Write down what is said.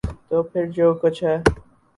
تو پھر جو کچھ ہے۔